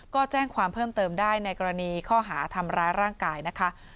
ก็แจ้งความเพิ่มเติมได้ในกรณีข้อหาทำร้ายร่างกายนะคะ